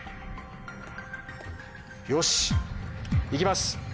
よしいきます！